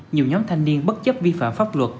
nhiều nhóm thanh niên bất chấp vi phạm pháp luật